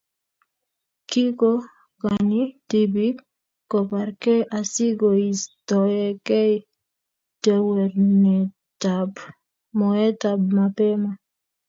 Kikokany tibik kobarkei asikoistoekei tewernatetab moetab mapema